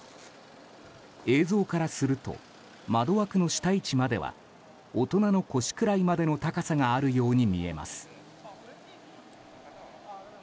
映像からすると窓枠の下位置までは大人の腰くらいまでの高さがあるように見えます。